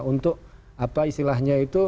untuk apa istilahnya itu